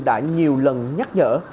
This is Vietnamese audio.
đã nhiều lần nhắc nhở